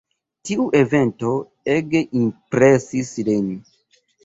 Tiu evento ege impresis lin.